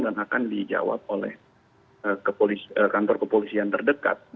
dan akan dijawab oleh kantor kepolisian terdekat